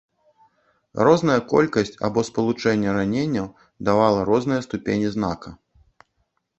Розная колькасць або спалучэнне раненняў давала розныя ступені знака.